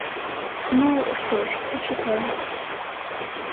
Ну, што ж, пачакаем.